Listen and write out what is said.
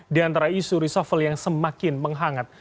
di antara isu reshuffle yang semakin menghangat